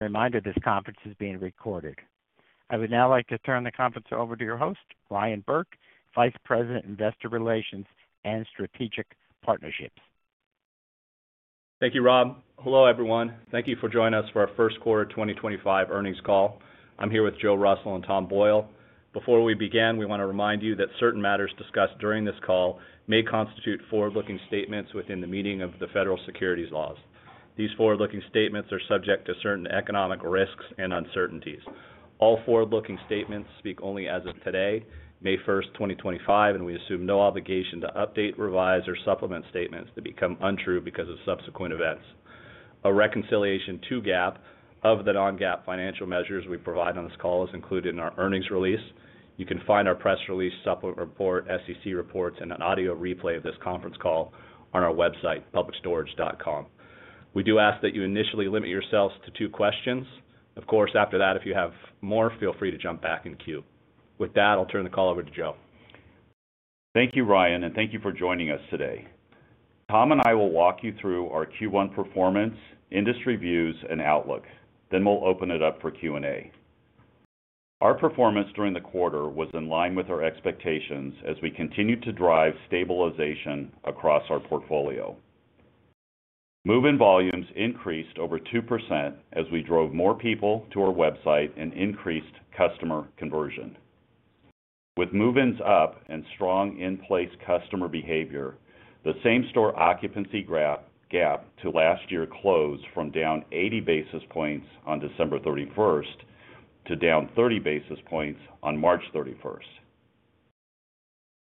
Reminder this conference is being recorded. I would now like to turn the conference over to your host, Ryan Burke, Vice President, Investor Relations and Strategic Partnerships. Thank you, Rob. Hello, everyone. Thank you for joining us for our first quarter 2025 earnings call. I'm here with Joe Russell and Tom Boyle. Before we begin, we want to remind you that certain matters discussed during this call may constitute forward-looking statements within the meaning of the federal securities laws. These forward-looking statements are subject to certain economic risks and uncertainties. All forward-looking statements speak only as of today, May 1, 2025, and we assume no obligation to update, revise, or supplement statements that become untrue because of subsequent events. A reconciliation to GAAP of the non-GAAP financial measures we provide on this call is included in our earnings release. You can find our press release, supplement report, SEC reports, and an audio replay of this conference call on our website, publicstorage.com. We do ask that you initially limit yourselves to two questions. Of course, after that, if you have more, feel free to jump back in queue. With that, I'll turn the call over to Joe. Thank you, Ryan, and thank you for joining us today. Tom and I will walk you through our Q1 performance, industry views, and outlook. We will open it up for Q&A. Our performance during the quarter was in line with our expectations as we continued to drive stabilization across our portfolio. Move-in volumes increased over 2% as we drove more people to our website and increased customer conversion. With move-ins up and strong in-place customer behavior, the same store occupancy gap to last year closed from down 80 basis points on December 31 to down 30 basis points on March 31.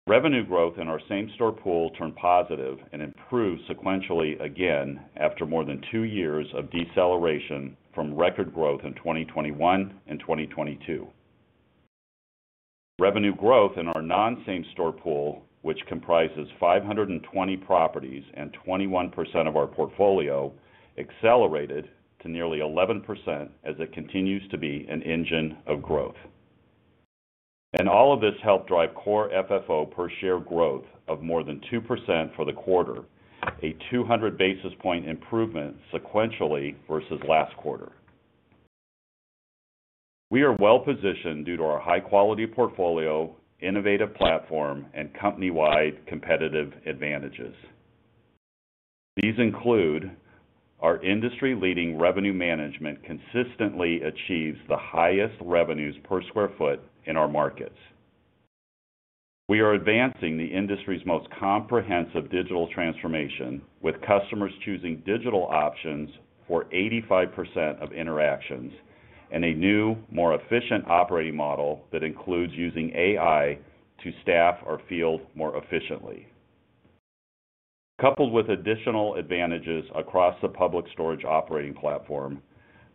Revenue growth in our same store pool turned positive and improved sequentially again after more than two years of deceleration from record growth in 2021 and 2022. Revenue growth in our non-same store pool, which comprises 520 properties and 21% of our portfolio, accelerated to nearly 11% as it continues to be an engine of growth. All of this helped drive core FFO per share growth of more than 2% for the quarter, a 200 basis point improvement sequentially versus last quarter. We are well positioned due to our high-quality portfolio, innovative platform, and company-wide competitive advantages. These include our industry-leading revenue management, which consistently achieves the highest revenues per square foot in our markets. We are advancing the industry's most comprehensive digital transformation with customers choosing digital options for 85% of interactions and a new, more efficient operating model that includes using AI to staff our field more efficiently. Coupled with additional advantages across the Public Storage operating platform,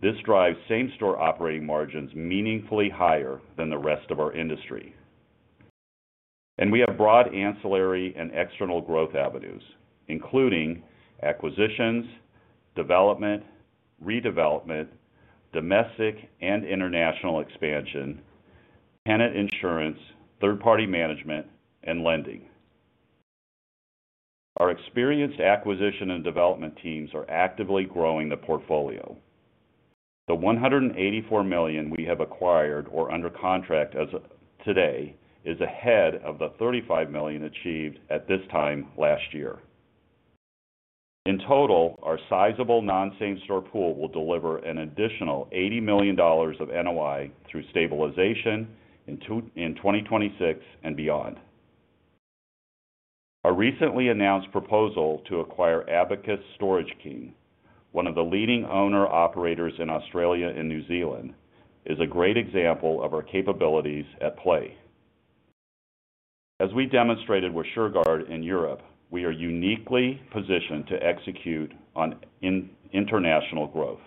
this drives same store operating margins meaningfully higher than the rest of our industry. We have broad ancillary and external growth avenues, including acquisitions, development, redevelopment, domestic and international expansion, tenant insurance, third-party management, and lending. Our experienced acquisition and development teams are actively growing the portfolio. The $184 million we have acquired or under contract today is ahead of the $35 million achieved at this time last year. In total, our sizable non-same store pool will deliver an additional $80 million of NOI through stabilization in 2026 and beyond. A recently announced proposal to acquire Abacus Storage King, one of the leading owner-operators in Australia and New Zealand, is a great example of our capabilities at play. As we demonstrated with Shurgard in Europe, we are uniquely positioned to execute on international growth.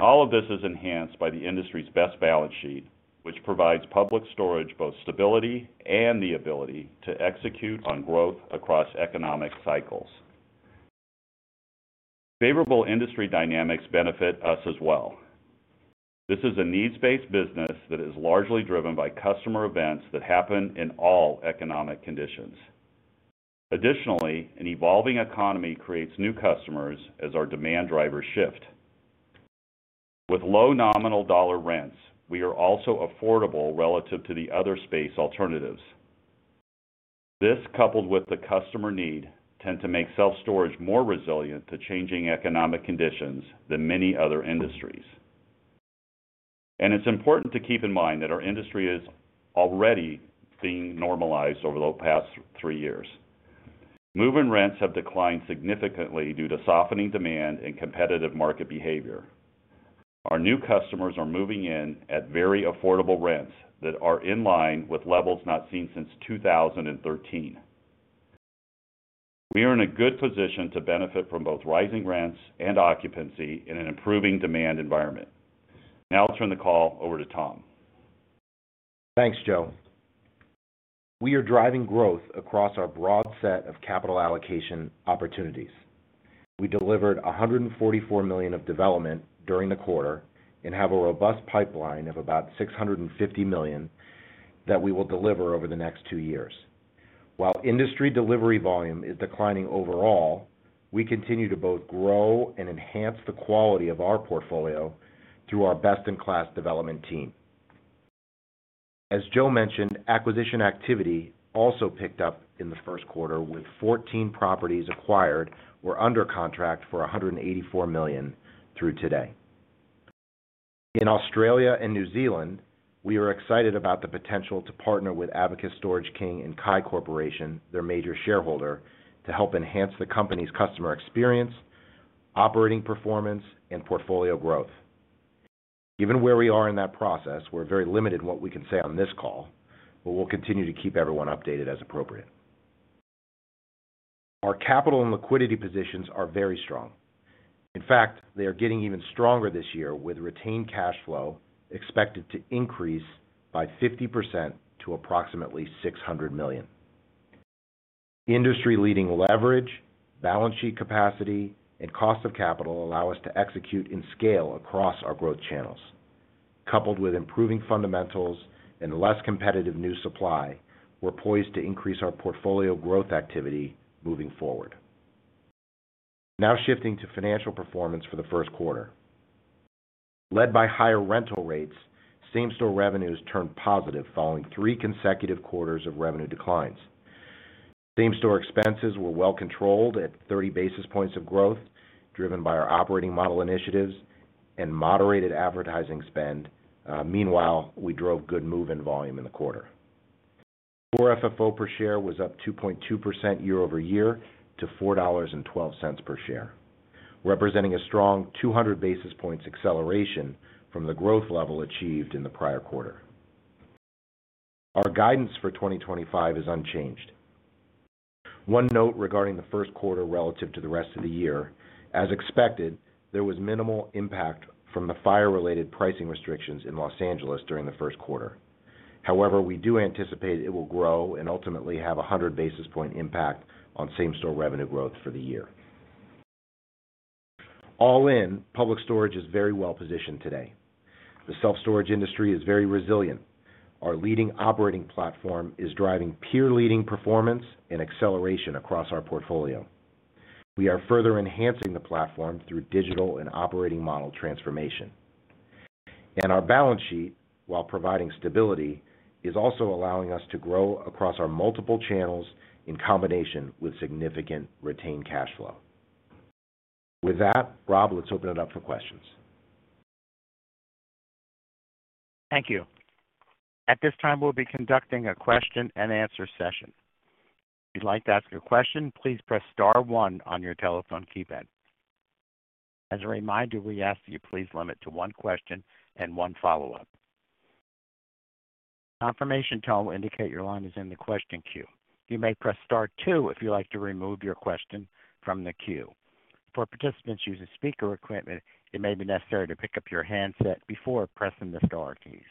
All of this is enhanced by the industry's best balance sheet, which provides Public Storage both stability and the ability to execute on growth across economic cycles. Favorable industry dynamics benefit us as well. This is a needs-based business that is largely driven by customer events that happen in all economic conditions. Additionally, an evolving economy creates new customers as our demand drivers shift. With low nominal dollar rents, we are also affordable relative to the other space alternatives. This, coupled with the customer need, tends to make self-storage more resilient to changing economic conditions than many other industries. It is important to keep in mind that our industry is already being normalized over the past three years. Move-in rents have declined significantly due to softening demand and competitive market behavior. Our new customers are moving in at very affordable rents that are in line with levels not seen since 2013. We are in a good position to benefit from both rising rents and occupancy in an improving demand environment. Now I'll turn the call over to Tom. Thanks, Joe. We are driving growth across our broad set of capital allocation opportunities. We delivered $144 million of development during the quarter and have a robust pipeline of about $650 million that we will deliver over the next two years. While industry delivery volume is declining overall, we continue to both grow and enhance the quality of our portfolio through our best-in-class development team. As Joe mentioned, acquisition activity also picked up in the first quarter with 14 properties acquired or under contract for $184 million through today. In Australia and New Zealand, we are excited about the potential to partner with Abacus Storage King and Kai Corporation, their major shareholder, to help enhance the company's customer experience, operating performance, and portfolio growth. Given where we are in that process, we're very limited in what we can say on this call, but we'll continue to keep everyone updated as appropriate. Our capital and liquidity positions are very strong. In fact, they are getting even stronger this year with retained cash flow expected to increase by 50% to approximately $600 million. Industry-leading leverage, balance sheet capacity, and cost of capital allow us to execute in scale across our growth channels. Coupled with improving fundamentals and less competitive new supply, we're poised to increase our portfolio growth activity moving forward. Now shifting to financial performance for the first quarter. Led by higher rental rates, same store revenues turned positive following three consecutive quarters of revenue declines. Same store expenses were well controlled at 30 basis points of growth, driven by our operating model initiatives and moderated advertising spend. Meanwhile, we drove good move-in volume in the quarter. Core FFO per share was up 2.2% year over year to $4.12 per share, representing a strong 200 basis points acceleration from the growth level achieved in the prior quarter. Our guidance for 2025 is unchanged. One note regarding the first quarter relative to the rest of the year, as expected, there was minimal impact from the fire-related pricing restrictions in Los Angeles during the first quarter. However, we do anticipate it will grow and ultimately have a 100 basis point impact on same store revenue growth for the year. All in, Public Storage is very well positioned today. The self-storage industry is very resilient. Our leading operating platform is driving peer-leading performance and acceleration across our portfolio. We are further enhancing the platform through digital and operating model transformation. Our balance sheet, while providing stability, is also allowing us to grow across our multiple channels in combination with significant retained cash flow. With that, Rob, let's open it up for questions. Thank you. At this time, we'll be conducting a question-and-answer session. If you'd like to ask a question, please press star one on your telephone keypad. As a reminder, we ask that you please limit to one question and one follow-up. A confirmation tone will indicate your line is in the question queue. You may press star two if you'd like to remove your question from the queue. For participants using speaker equipment, it may be necessary to pick up your handset before pressing the star keys.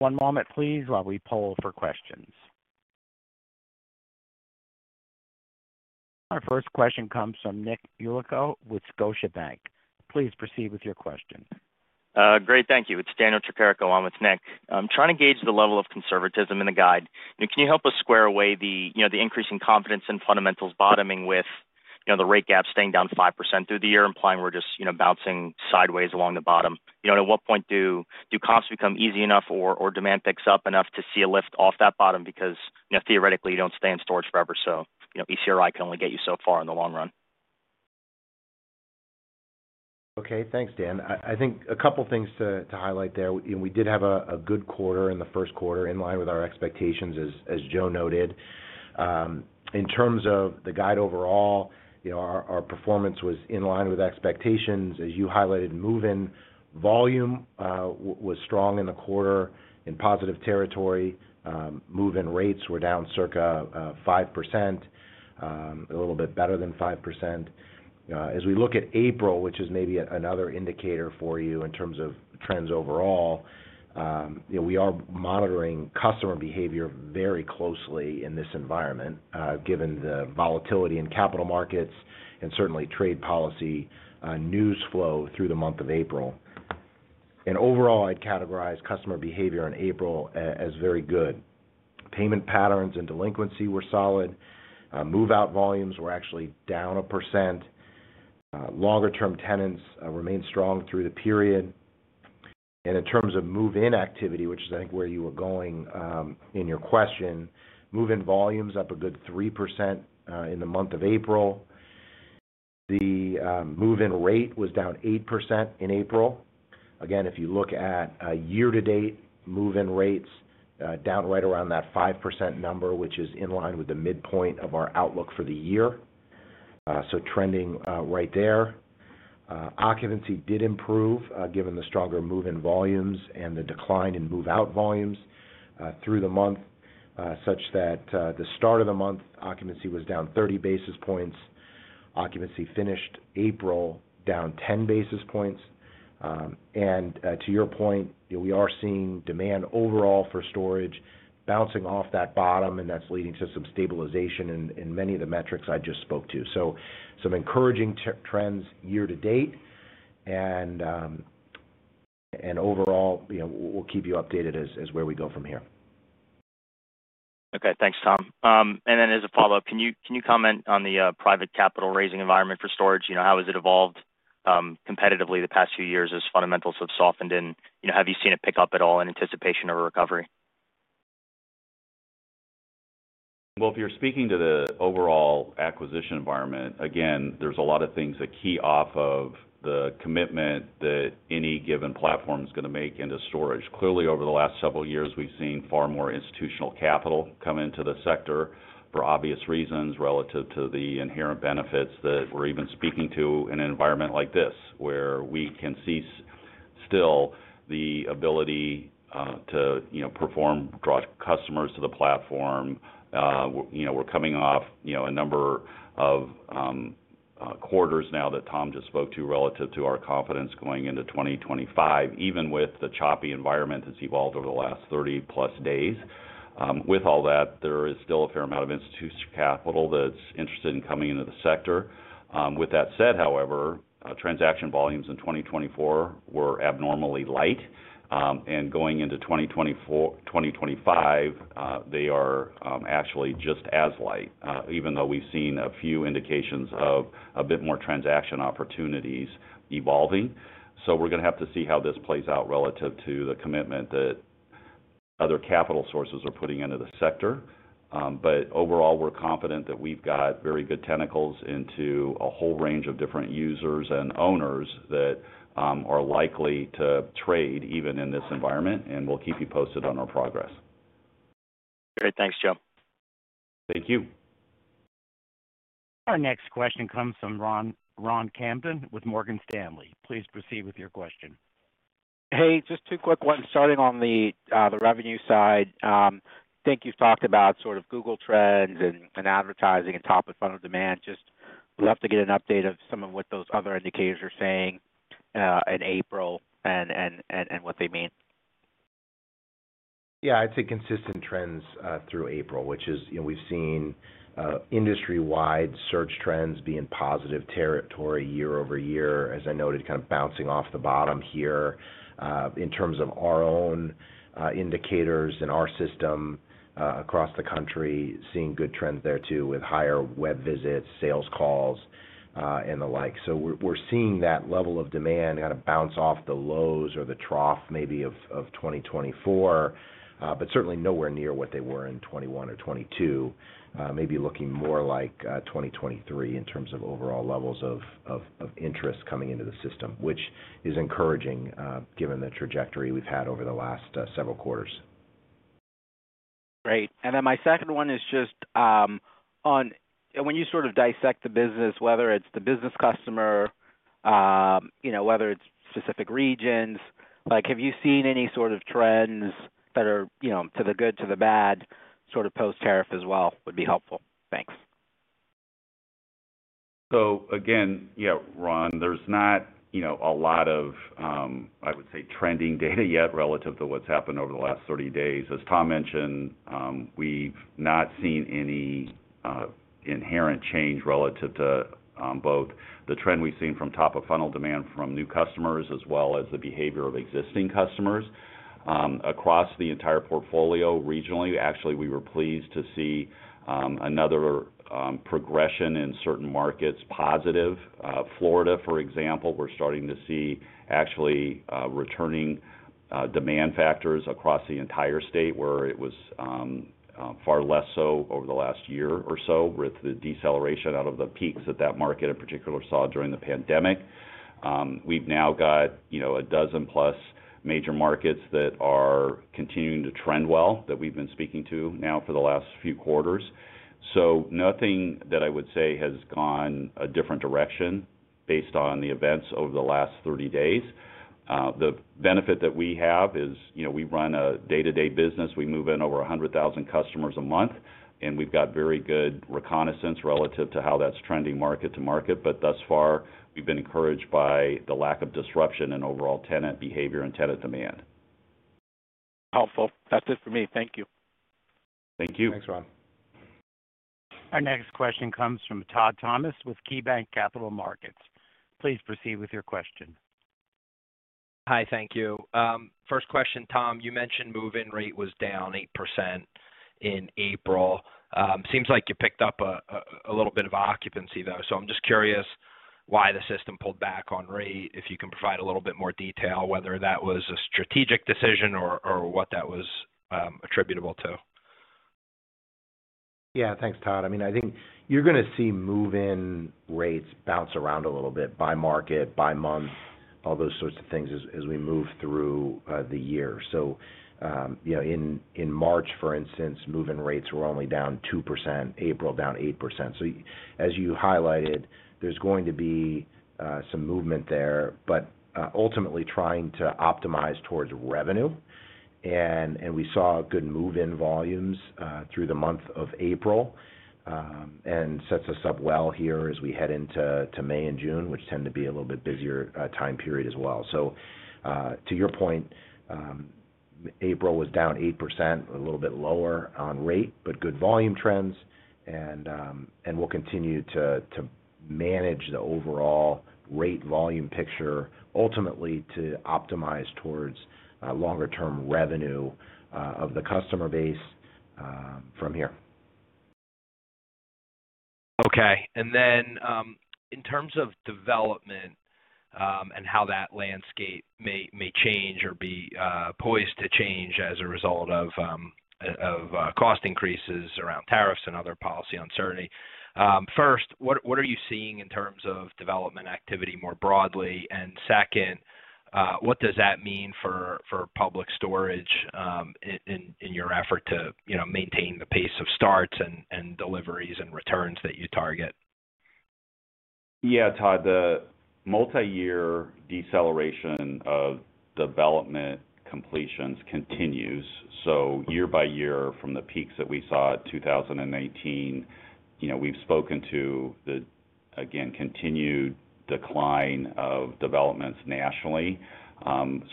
One moment, please, while we poll for questions. Our first question comes from Nick Yulico with Scotiabank. Please proceed with your question. Great. Thank you. It's Daniel Tricarico. I'm with Nick. I'm trying to gauge the level of conservatism in the guide. Can you help us square away the increasing confidence in fundamentals bottoming with the rate gap staying down 5% through the year, implying we're just bouncing sideways along the bottom? At what point do costs become easy enough or demand picks up enough to see a lift off that bottom? Because theoretically, you don't stay in storage forever, so ECRI can only get you so far in the long run. Okay. Thanks, Dan. I think a couple of things to highlight there. We did have a good quarter in the first quarter, in line with our expectations, as Joe noted. In terms of the guide overall, our performance was in line with expectations, as you highlighted. Move-in volume was strong in the quarter, in positive territory. Move-in rates were down circa 5%, a little bit better than 5%. As we look at April, which is maybe another indicator for you in terms of trends overall, we are monitoring customer behavior very closely in this environment, given the volatility in capital markets and certainly trade policy news flow through the month of April. Overall, I'd categorize customer behavior in April as very good. Payment patterns and delinquency were solid. Move-out volumes were actually down a percent. Longer-term tenants remained strong through the period. In terms of move-in activity, which is, I think, where you were going in your question, move-in volumes up a good 3% in the month of April. The move-in rate was down 8% in April. Again, if you look at year-to-date move-in rates, down right around that 5% number, which is in line with the midpoint of our outlook for the year. Trending right there. Occupancy did improve given the stronger move-in volumes and the decline in move-out volumes through the month, such that at the start of the month, occupancy was down 30 basis points. Occupancy finished April down 10 basis points. To your point, we are seeing demand overall for storage bouncing off that bottom, and that is leading to some stabilization in many of the metrics I just spoke to. Some encouraging trends year-to-date. Overall, we'll keep you updated as where we go from here. Okay. Thanks, Tom. As a follow-up, can you comment on the private capital raising environment for storage? How has it evolved competitively the past few years as fundamentals have softened? Have you seen it pick up at all in anticipation of a recovery? If you're speaking to the overall acquisition environment, again, there's a lot of things that key off of the commitment that any given platform is going to make into storage. Clearly, over the last several years, we've seen far more institutional capital come into the sector for obvious reasons relative to the inherent benefits that we're even speaking to in an environment like this, where we can see still the ability to perform, draw customers to the platform. We're coming off a number of quarters now that Tom just spoke to relative to our confidence going into 2025, even with the choppy environment that's evolved over the last 30-plus days. With all that, there is still a fair amount of institutional capital that's interested in coming into the sector. With that said, however, transaction volumes in 2024 were abnormally light. Going into 2025, they are actually just as light, even though we've seen a few indications of a bit more transaction opportunities evolving. We are going to have to see how this plays out relative to the commitment that other capital sources are putting into the sector. Overall, we are confident that we've got very good tentacles into a whole range of different users and owners that are likely to trade even in this environment. We will keep you posted on our progress. Great. Thanks, Joe. Thank you. Our next question comes from Ron Kamdem with Morgan Stanley. Please proceed with your question. Hey, just two quick ones. Starting on the revenue side, I think you've talked about sort of Google trends and advertising and top-of-funnel demand. Just would love to get an update of some of what those other indicators are saying in April and what they mean. Yeah. I'd say consistent trends through April, which is we've seen industry-wide search trends being positive territory year over year, as I noted, kind of bouncing off the bottom here in terms of our own indicators and our system across the country, seeing good trends there too with higher web visits, sales calls, and the like. We are seeing that level of demand kind of bounce off the lows or the trough maybe of 2024, but certainly nowhere near what they were in 2021 or 2022, maybe looking more like 2023 in terms of overall levels of interest coming into the system, which is encouraging given the trajectory we've had over the last several quarters. Great. My second one is just on when you sort of dissect the business, whether it is the business customer, whether it is specific regions, have you seen any sort of trends that are to the good, to the bad sort of post-term as well? Would be helpful. Thanks. Again, yeah, Ron, there's not a lot of, I would say, trending data yet relative to what's happened over the last 30 days. As Tom mentioned, we've not seen any inherent change relative to both the trend we've seen from top-of-funnel demand from new customers as well as the behavior of existing customers across the entire portfolio regionally. Actually, we were pleased to see another progression in certain markets positive. Florida, for example, we're starting to see actually returning demand factors across the entire state where it was far less so over the last year or so with the deceleration out of the peaks that that market in particular saw during the pandemic. We've now got a dozen-plus major markets that are continuing to trend well that we've been speaking to now for the last few quarters. Nothing that I would say has gone a different direction based on the events over the last 30 days. The benefit that we have is we run a day-to-day business. We move in over 100,000 customers a month, and we've got very good reconnaissance relative to how that's trending market to market. Thus far, we've been encouraged by the lack of disruption in overall tenant behavior and tenant demand. Helpful. That's it for me. Thank you. Thank you. Thanks, Ron. Our next question comes from Todd Thomas with KeyBank Capital Markets. Please proceed with your question. Hi. Thank you. First question, Tom, you mentioned move-in rate was down 8% in April. Seems like you picked up a little bit of occupancy, though. I'm just curious why the system pulled back on rate. If you can provide a little bit more detail, whether that was a strategic decision or what that was attributable to. Yeah. Thanks, Todd. I mean, I think you're going to see move-in rates bounce around a little bit by market, by month, all those sorts of things as we move through the year. In March, for instance, move-in rates were only down 2%. April, down 8%. As you highlighted, there's going to be some movement there, but ultimately trying to optimize towards revenue. We saw good move-in volumes through the month of April and sets us up well here as we head into May and June, which tend to be a little bit busier time period as well. To your point, April was down 8%, a little bit lower on rate, but good volume trends. We'll continue to manage the overall rate volume picture ultimately to optimize towards longer-term revenue of the customer base from here. Okay. In terms of development and how that landscape may change or be poised to change as a result of cost increases around tariffs and other policy uncertainty, first, what are you seeing in terms of development activity more broadly? Second, what does that mean for Public Storage in your effort to maintain the pace of starts and deliveries and returns that you target? Yeah, Todd. The multi-year deceleration of development completions continues. Year by year from the peaks that we saw in 2018, we've spoken to the, again, continued decline of developments nationally.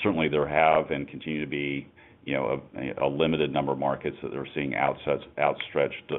Certainly, there have and continue to be a limited number of markets that are seeing outstretched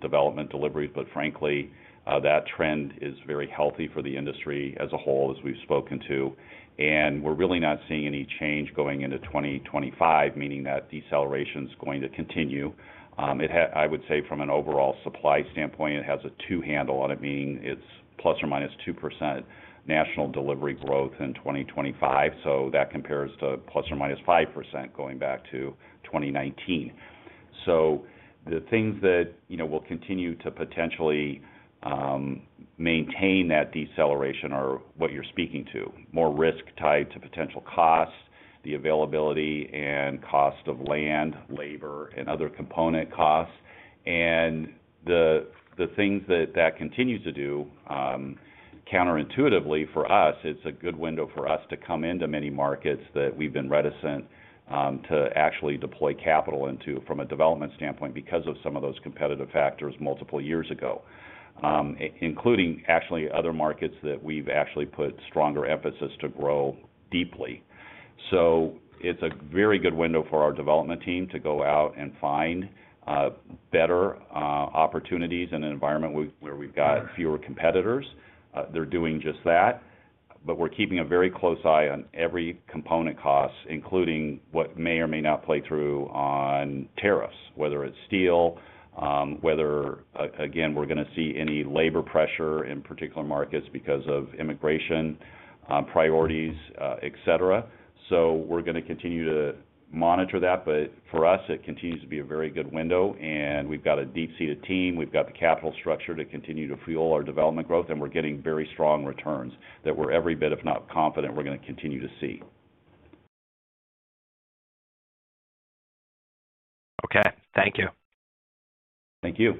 development deliveries. Frankly, that trend is very healthy for the industry as a whole, as we've spoken to. We're really not seeing any change going into 2025, meaning that deceleration is going to continue. I would say from an overall supply standpoint, it has a two-handle on it, meaning it's plus or minus 2% national delivery growth in 2025. That compares to plus or minus 5% going back to 2019. The things that will continue to potentially maintain that deceleration are what you're speaking to: more risk tied to potential costs, the availability and cost of land, labor, and other component costs. The things that that continues to do, counterintuitively for us, it's a good window for us to come into many markets that we've been reticent to actually deploy capital into from a development standpoint because of some of those competitive factors multiple years ago, including actually other markets that we've actually put stronger emphasis to grow deeply. It's a very good window for our development team to go out and find better opportunities in an environment where we've got fewer competitors. They're doing just that. We are keeping a very close eye on every component cost, including what may or may not play through on tariffs, whether it is steel, whether, again, we are going to see any labor pressure in particular markets because of immigration priorities, etc. We are going to continue to monitor that. For us, it continues to be a very good window. We have a deep-seated team. We have the capital structure to continue to fuel our development growth. We are getting very strong returns that we are every bit, if not confident, we are going to continue to see. Okay. Thank you. Thank you.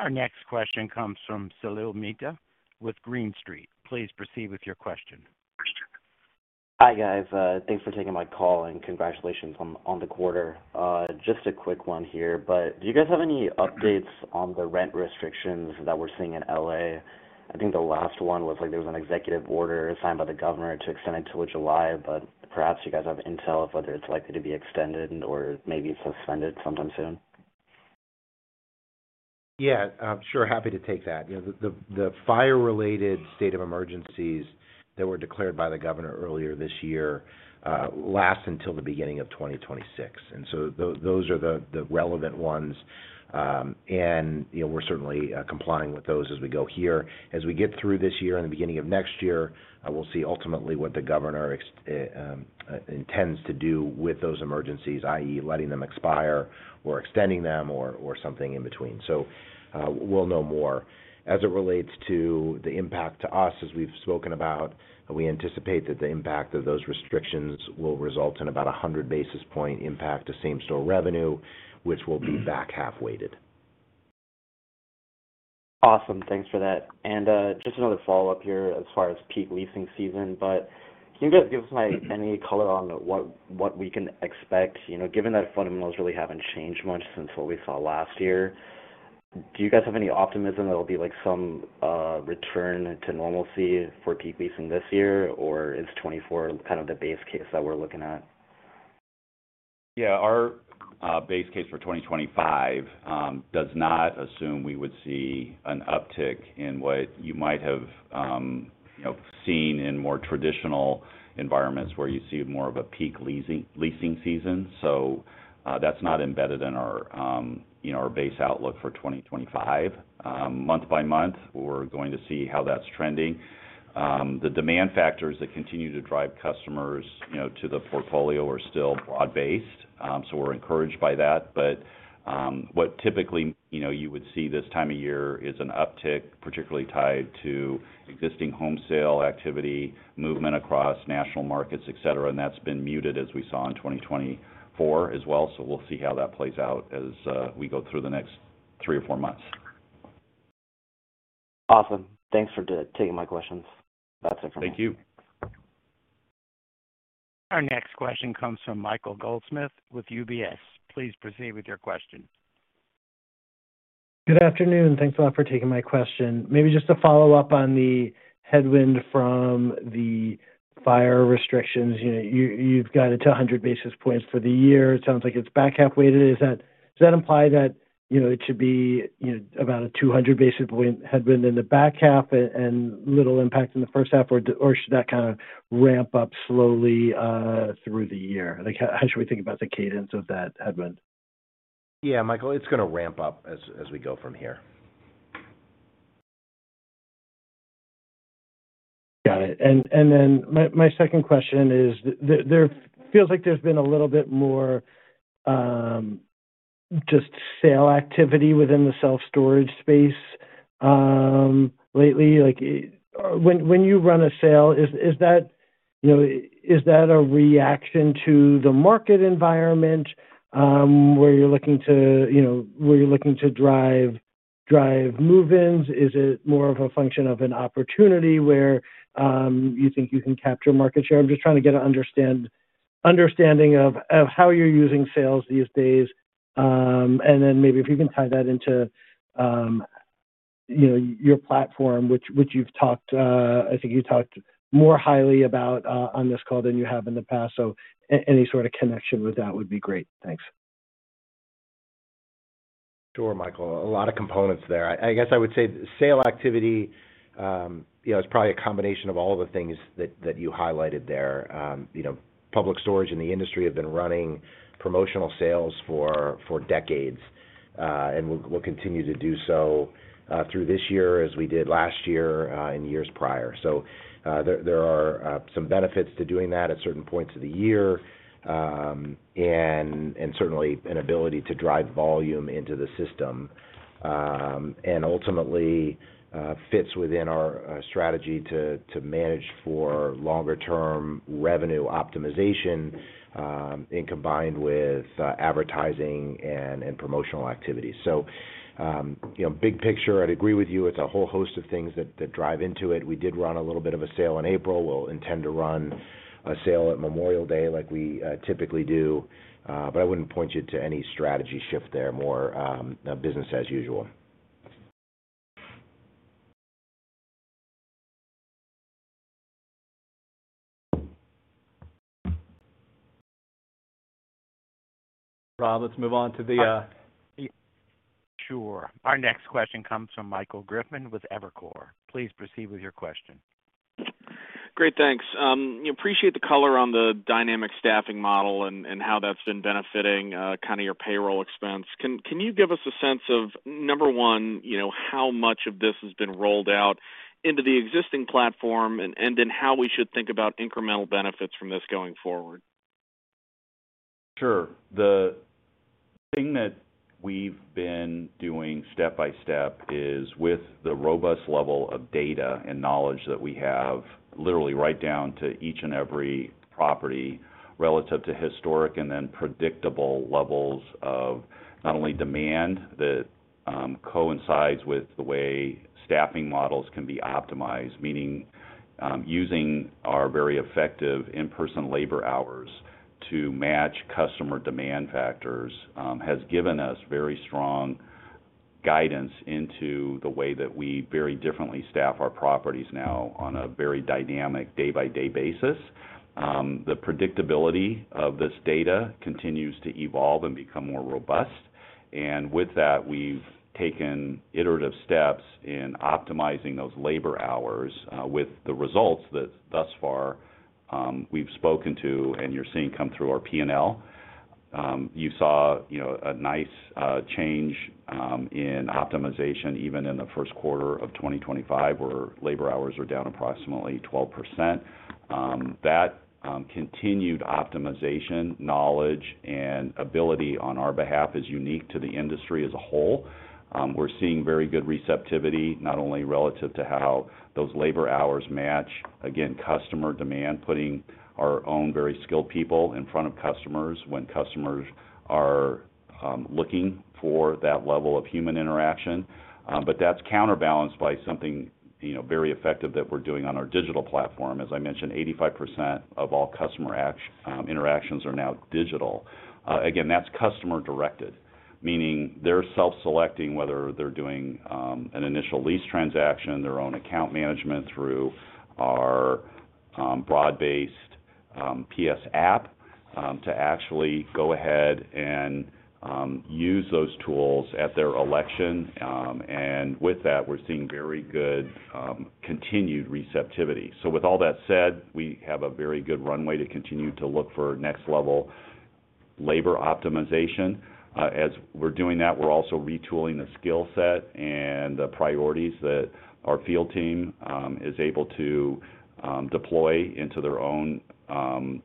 Our next question comes from Salil Mehta with Green Street. Please proceed with your question. Hi, guys. Thanks for taking my call and congratulations on the quarter. Just a quick one here, but do you guys have any updates on the rent restrictions that we're seeing in Los Angeles? I think the last one was like there was an executive order signed by the governor to extend it till July, but perhaps you guys have intel of whether it's likely to be extended or maybe suspended sometime soon. Yeah. Sure. Happy to take that. The fire-related state of emergencies that were declared by the governor earlier this year last until the beginning of 2026. Those are the relevant ones. We are certainly complying with those as we go here. As we get through this year and the beginning of next year, we will see ultimately what the governor intends to do with those emergencies, i.e., letting them expire or extending them or something in between. We will know more. As it relates to the impact to us, as we have spoken about, we anticipate that the impact of those restrictions will result in about a 100 basis point impact to same-store revenue, which will be back half-weighted. Awesome. Thanks for that. Just another follow-up here as far as peak leasing season. Can you guys give us any color on what we can expect? Given that fundamentals really have not changed much since what we saw last year, do you guys have any optimism that there will be some return to normalcy for peak leasing this year, or is 2024 kind of the base case that we are looking at? Yeah. Our base case for 2025 does not assume we would see an uptick in what you might have seen in more traditional environments where you see more of a peak leasing season. That is not embedded in our base outlook for 2025. Month by month, we are going to see how that is trending. The demand factors that continue to drive customers to the portfolio are still broad-based. We are encouraged by that. What typically you would see this time of year is an uptick, particularly tied to existing home sale activity, movement across national markets, etc. That has been muted as we saw in 2024 as well. We will see how that plays out as we go through the next three or four months. Awesome. Thanks for taking my questions. That's it from me. Thank you. Our next question comes from Michael Goldsmith with UBS. Please proceed with your question. Good afternoon. Thanks a lot for taking my question. Maybe just to follow up on the headwind from the fire restrictions. You've got it to 100 basis points for the year. It sounds like it's back half-weighted. Does that imply that it should be about a 200-basis point headwind in the back half and little impact in the first half, or should that kind of ramp up slowly through the year? How should we think about the cadence of that headwind? Yeah, Michael, it's going to ramp up as we go from here. Got it. My second question is there feels like there's been a little bit more just sale activity within the self-storage space lately. When you run a sale, is that a reaction to the market environment where you're looking to drive move-ins? Is it more of a function of an opportunity where you think you can capture market share? I'm just trying to get an understanding of how you're using sales these days. Maybe if you can tie that into your platform, which I think you talked more highly about on this call than you have in the past. Any sort of connection with that would be great. Thanks. Sure, Michael. A lot of components there. I guess I would say sale activity is probably a combination of all the things that you highlighted there. Public Storage and the industry have been running promotional sales for decades and will continue to do so through this year as we did last year and years prior. There are some benefits to doing that at certain points of the year and certainly an ability to drive volume into the system and ultimately fits within our strategy to manage for longer-term revenue optimization combined with advertising and promotional activity. Big picture, I'd agree with you. It's a whole host of things that drive into it. We did run a little bit of a sale in April. We'll intend to run a sale at Memorial Day like we typically do. I wouldn't point you to any strategy shift there, more business as usual. Problem. Let's move on to the. Sure. Our next question comes from Michael Griffin with Evercore. Please proceed with your question. Great. Thanks. Appreciate the color on the dynamic staffing model and how that's been benefiting kind of your payroll expense. Can you give us a sense of, number one, how much of this has been rolled out into the existing platform and then how we should think about incremental benefits from this going forward? Sure. The thing that we've been doing step by step is with the robust level of data and knowledge that we have literally right down to each and every property relative to historic and then predictable levels of not only demand that coincides with the way staffing models can be optimized, meaning using our very effective in-person labor hours to match customer demand factors has given us very strong guidance into the way that we very differently staff our properties now on a very dynamic day-by-day basis. The predictability of this data continues to evolve and become more robust. With that, we've taken iterative steps in optimizing those labor hours with the results that thus far we've spoken to and you're seeing come through our P&L. You saw a nice change in optimization even in the first quarter of 2025 where labor hours are down approximately 12%. That continued optimization knowledge and ability on our behalf is unique to the industry as a whole. We're seeing very good receptivity, not only relative to how those labor hours match, again, customer demand, putting our own very skilled people in front of customers when customers are looking for that level of human interaction. That is counterbalanced by something very effective that we're doing on our digital platform. As I mentioned, 85% of all customer interactions are now digital. Again, that's customer-directed, meaning they're self-selecting whether they're doing an initial lease transaction, their own account management through our broad-based PS app to actually go ahead and use those tools at their election. With that, we're seeing very good continued receptivity. With all that said, we have a very good runway to continue to look for next-level labor optimization. As we're doing that, we're also retooling the skill set and the priorities that our field team is able to deploy into their own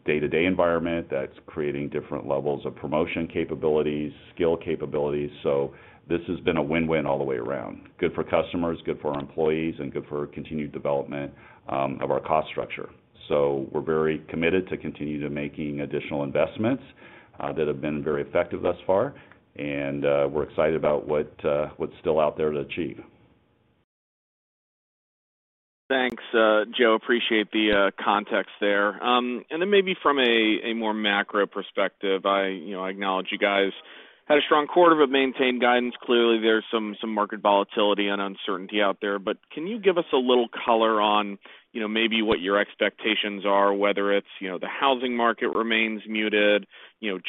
day-to-day environment that's creating different levels of promotion capabilities, skill capabilities. This has been a win-win all the way around. Good for customers, good for our employees, and good for continued development of our cost structure. We are very committed to continue to make additional investments that have been very effective thus far. We are excited about what's still out there to achieve. Thanks, Joe. Appreciate the context there. Maybe from a more macro perspective, I acknowledge you guys had a strong quarter but maintained guidance. Clearly, there's some market volatility and uncertainty out there. Can you give us a little color on maybe what your expectations are, whether it's the housing market remains muted,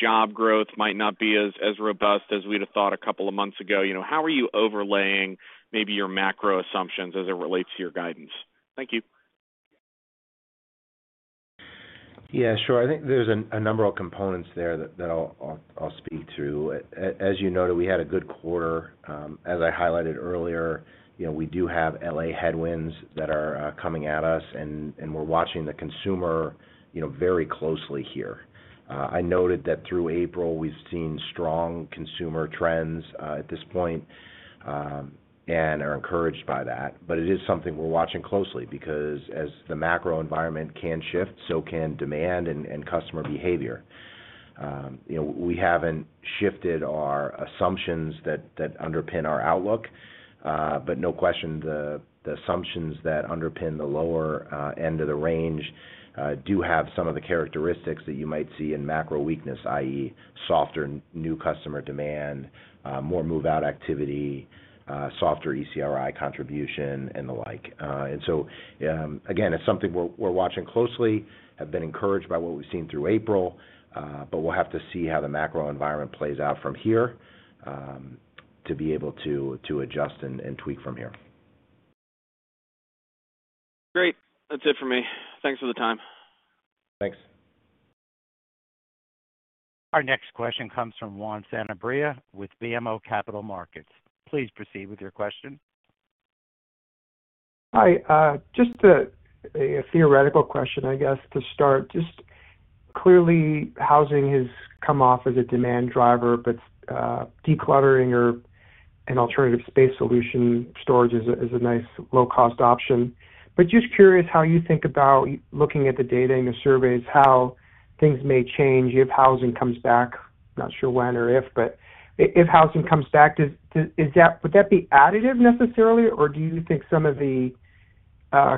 job growth might not be as robust as we'd have thought a couple of months ago? How are you overlaying maybe your macro assumptions as it relates to your guidance? Thank you. Yeah, sure. I think there's a number of components there that I'll speak to. As you noted, we had a good quarter. As I highlighted earlier, we do have LA headwinds that are coming at us, and we're watching the consumer very closely here. I noted that through April, we've seen strong consumer trends at this point and are encouraged by that. It is something we're watching closely because as the macro environment can shift, so can demand and customer behavior. We haven't shifted our assumptions that underpin our outlook. No question, the assumptions that underpin the lower end of the range do have some of the characteristics that you might see in macro weakness, i.e., softer new customer demand, more move-out activity, softer ECRI contribution, and the like. It is something we are watching closely, have been encouraged by what we have seen through April, but we will have to see how the macro environment plays out from here to be able to adjust and tweak from here. Great. That's it for me. Thanks for the time. Thanks. Our next question comes from Juan Sanabria with BMO Capital Markets. Please proceed with your question. Hi. Just a theoretical question, I guess, to start. Clearly, housing has come off as a demand driver, but decluttering or an alternative space solution, storage is a nice low-cost option. Just curious how you think about looking at the data and the surveys, how things may change if housing comes back. Not sure when or if, but if housing comes back, would that be additive necessarily, or do you think some of the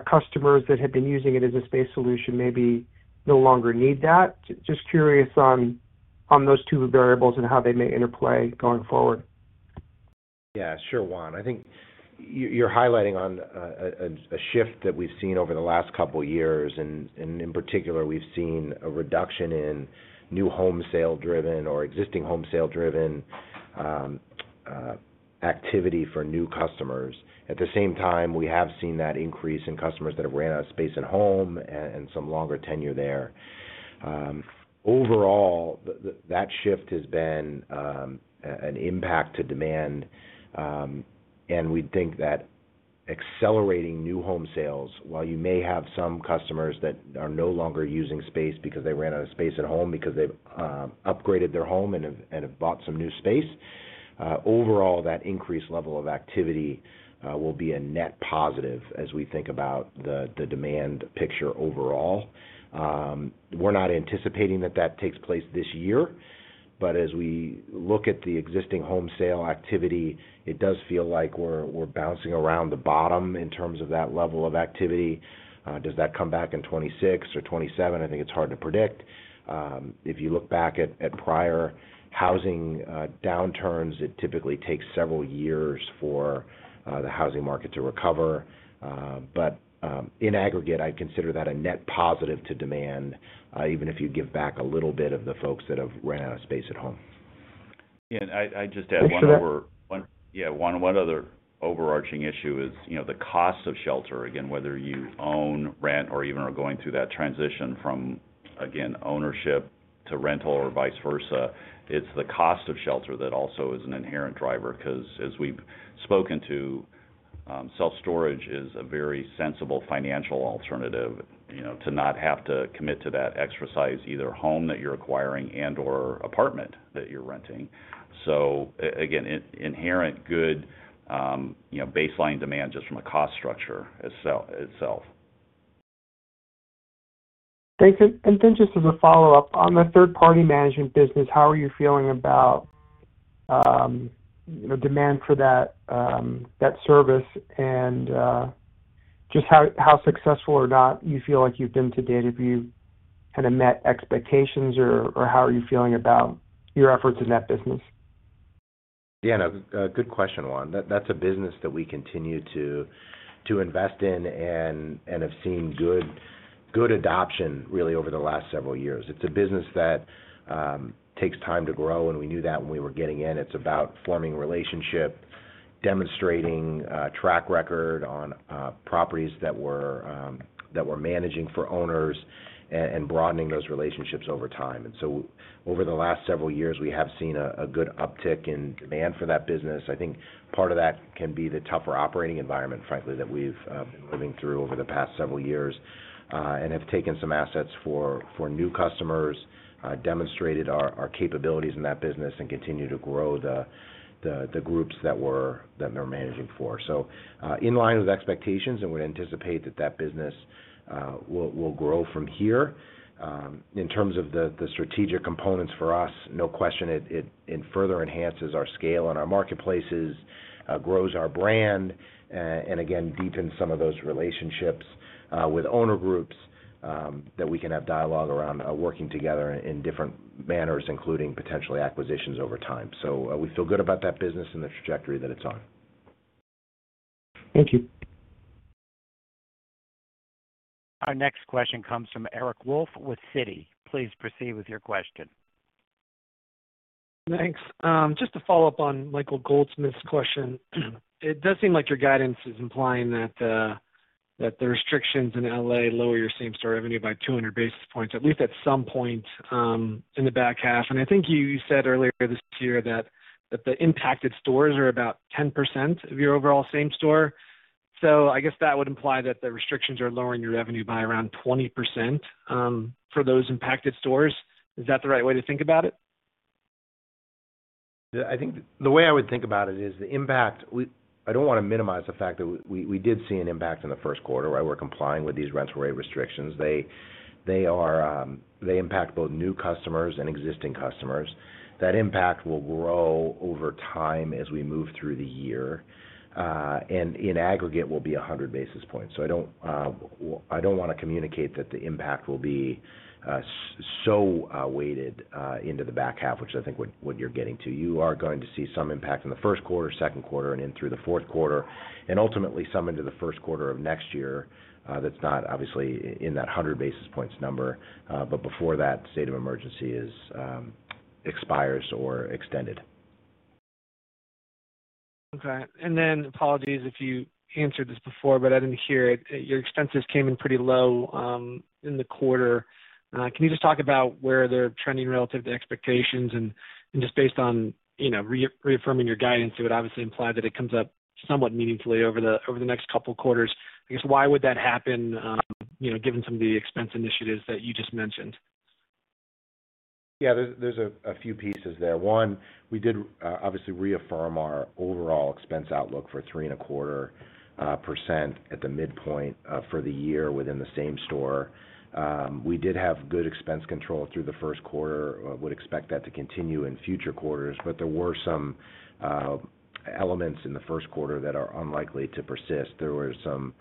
customers that have been using it as a space solution maybe no longer need that? Just curious on those two variables and how they may interplay going forward. Yeah. Sure, Juan. I think you're highlighting a shift that we've seen over the last couple of years. In particular, we've seen a reduction in new home sale-driven or existing home sale-driven activity for new customers. At the same time, we have seen that increase in customers that have ran out of space at home and some longer tenure there. Overall, that shift has been an impact to demand. We think that accelerating new home sales, while you may have some customers that are no longer using space because they ran out of space at home because they've upgraded their home and have bought some new space, overall, that increased level of activity will be a net positive as we think about the demand picture overall. We're not anticipating that that takes place this year. As we look at the existing home sale activity, it does feel like we're bouncing around the bottom in terms of that level of activity. Does that come back in 2026 or 2027? I think it's hard to predict. If you look back at prior housing downturns, it typically takes several years for the housing market to recover. In aggregate, I'd consider that a net positive to demand, even if you give back a little bit of the folks that have ran out of space at home. Yeah. I'd just add one more. Sure. Yeah. One other overarching issue is the cost of shelter. Again, whether you own, rent, or even are going through that transition from, again, ownership to rental or vice versa, it is the cost of shelter that also is an inherent driver. Because as we have spoken to, self-storage is a very sensible financial alternative to not have to commit to that exercise, either home that you are acquiring and/or apartment that you are renting. Again, inherent good baseline demand just from a cost structure itself. Thank you. Just as a follow-up, on the third-party management business, how are you feeling about demand for that service and just how successful or not you feel like you've been to date? Have you kind of met expectations, or how are you feeling about your efforts in that business? Yeah. Good question, Juan. That's a business that we continue to invest in and have seen good adoption really over the last several years. It's a business that takes time to grow. We knew that when we were getting in. It's about forming a relationship, demonstrating a track record on properties that we're managing for owners, and broadening those relationships over time. Over the last several years, we have seen a good uptick in demand for that business. I think part of that can be the tougher operating environment, frankly, that we've been living through over the past several years and have taken some assets for new customers, demonstrated our capabilities in that business, and continue to grow the groups that we're managing for. In line with expectations, we'd anticipate that that business will grow from here. In terms of the strategic components for us, no question, it further enhances our scale and our marketplaces, grows our brand, and again, deepens some of those relationships with owner groups that we can have dialogue around working together in different manners, including potentially acquisitions over time. We feel good about that business and the trajectory that it's on. Thank you. Our next question comes from Eric Wolfe with Citi. Please proceed with your question. Thanks. Just to follow up on Michael Goldsmith's question, it does seem like your guidance is implying that the restrictions in Los Angeles lower your same-store revenue by 200 basis points, at least at some point in the back half. I think you said earlier this year that the impacted stores are about 10% of your overall same-store. I guess that would imply that the restrictions are lowering your revenue by around 20% for those impacted stores. Is that the right way to think about it? I think the way I would think about it is the impact. I do not want to minimize the fact that we did see an impact in the first quarter where we are complying with these rental rate restrictions. They impact both new customers and existing customers. That impact will grow over time as we move through the year. In aggregate, it will be 100 basis points. I do not want to communicate that the impact will be so weighted into the back half, which is, I think, what you are getting to. You are going to see some impact in the first quarter, second quarter, and into the fourth quarter, and ultimately some into the first quarter of next year. That is not obviously in that 100 basis points number, but before that state of emergency expires or is extended. Okay. Apologies if you answered this before, but I did not hear it. Your expenses came in pretty low in the quarter. Can you just talk about where they are trending relative to expectations? Just based on reaffirming your guidance, it would obviously imply that it comes up somewhat meaningfully over the next couple of quarters. I guess why would that happen given some of the expense initiatives that you just mentioned? Yeah. There's a few pieces there. One, we did obviously reaffirm our overall expense outlook for 3.25% at the midpoint for the year within the same store. We did have good expense control through the first quarter. I would expect that to continue in future quarters. There were some elements in the first quarter that are unlikely to persist. There were some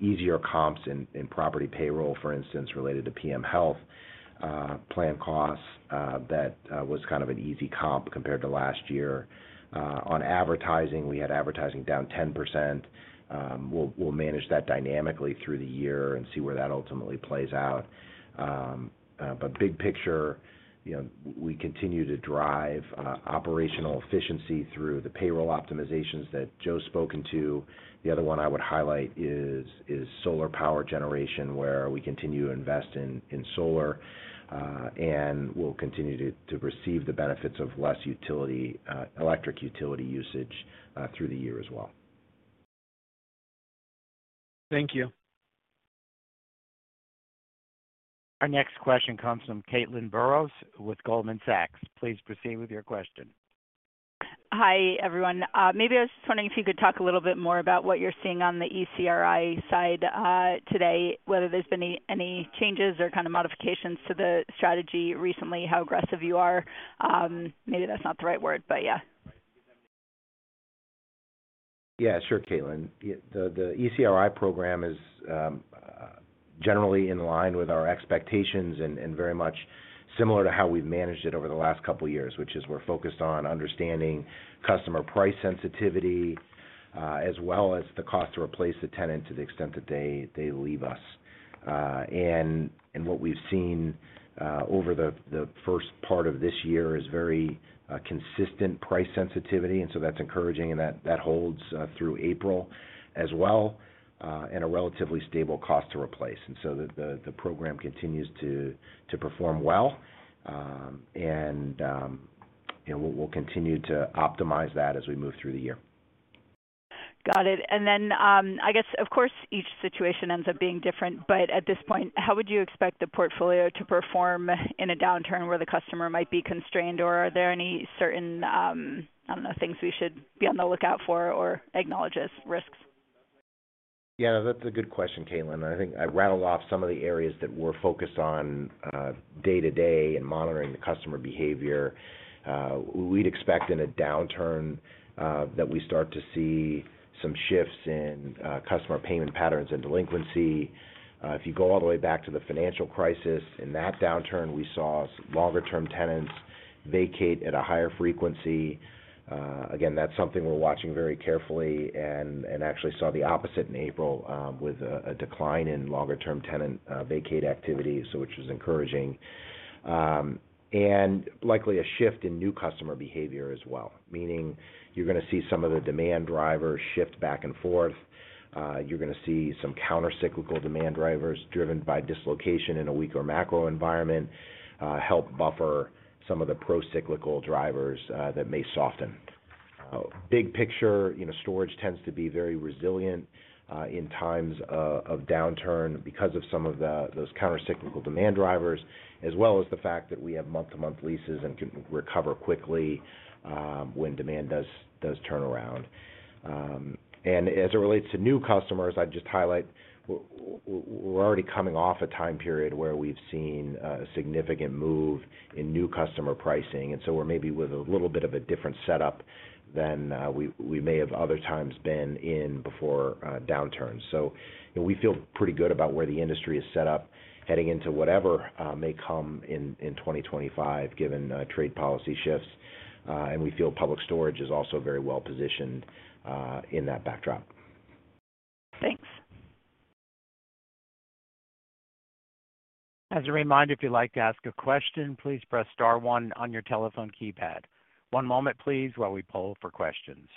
easier comps in property payroll, for instance, related to PM Health plan costs that was kind of an easy comp compared to last year. On advertising, we had advertising down 10%. We'll manage that dynamically through the year and see where that ultimately plays out. Big picture, we continue to drive operational efficiency through the payroll optimizations that Joe's spoken to. The other one I would highlight is solar power generation where we continue to invest in solar, and we will continue to receive the benefits of less electric utility usage through the year as well. Thank you. Our next question comes from Caitlin Burrows with Goldman Sachs. Please proceed with your question. Hi, everyone. Maybe I was just wondering if you could talk a little bit more about what you're seeing on the ECRI side today, whether there's been any changes or kind of modifications to the strategy recently, how aggressive you are. Maybe that's not the right word, but yeah. Yeah. Sure, Caitlin. The ECRI program is generally in line with our expectations and very much similar to how we've managed it over the last couple of years, which is we're focused on understanding customer price sensitivity as well as the cost to replace the tenant to the extent that they leave us. What we've seen over the first part of this year is very consistent price sensitivity. That is encouraging, and that holds through April as well and a relatively stable cost to replace. The program continues to perform well. We'll continue to optimize that as we move through the year. Got it. I guess, of course, each situation ends up being different. At this point, how would you expect the portfolio to perform in a downturn where the customer might be constrained? Are there any certain, I do not know, things we should be on the lookout for or acknowledge as risks? Yeah. That's a good question, Caitlin. I think I rattled off some of the areas that we're focused on day-to-day and monitoring the customer behavior. We'd expect in a downturn that we start to see some shifts in customer payment patterns and delinquency. If you go all the way back to the financial crisis, in that downturn, we saw longer-term tenants vacate at a higher frequency. That's something we're watching very carefully and actually saw the opposite in April with a decline in longer-term tenant vacate activity, which was encouraging. Likely a shift in new customer behavior as well, meaning you're going to see some of the demand drivers shift back and forth. You're going to see some countercyclical demand drivers driven by dislocation in a weaker macro environment help buffer some of the procyclical drivers that may soften. Big picture, storage tends to be very resilient in times of downturn because of some of those countercyclical demand drivers, as well as the fact that we have month-to-month leases and can recover quickly when demand does turn around. As it relates to new customers, I'd just highlight we're already coming off a time period where we've seen a significant move in new customer pricing. We are maybe with a little bit of a different setup than we may have other times been in before downturns. We feel pretty good about where the industry is set up heading into whatever may come in 2025 given trade policy shifts. We feel Public Storage is also very well positioned in that backdrop. Thanks. As a reminder, if you'd like to ask a question, please press star one on your telephone keypad. One moment, please, while we poll for questions.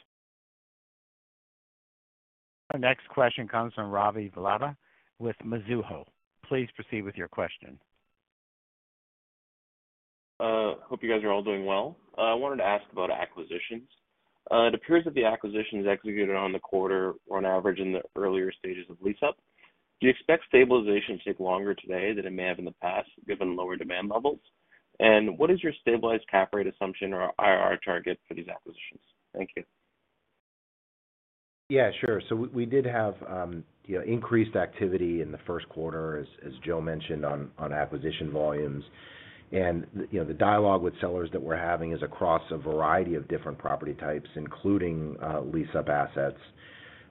Our next question comes from Ravi Viadya with Mizuho. Please proceed with your question. Hope you guys are all doing well. I wanted to ask about acquisitions. It appears that the acquisitions executed on the quarter were on average in the earlier stages of lease-up. Do you expect stabilization to take longer today than it may have in the past given lower demand levels? What is your stabilized cap rate assumption or IRR target for these acquisitions? Thank you. Yeah. Sure. We did have increased activity in the first quarter, as Joe mentioned, on acquisition volumes. The dialogue with sellers that we're having is across a variety of different property types, including lease-up assets.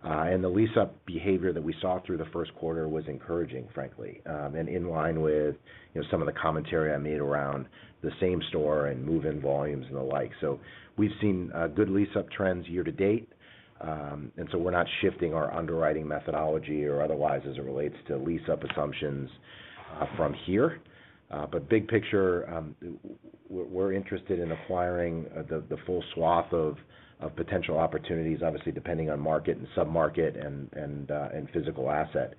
The lease-up behavior that we saw through the first quarter was encouraging, frankly, and in line with some of the commentary I made around the same store and move-in volumes and the like. We have seen good lease-up trends year to date. We are not shifting our underwriting methodology or otherwise as it relates to lease-up assumptions from here. Big picture, we are interested in acquiring the full swath of potential opportunities, obviously depending on market and sub-market and physical asset.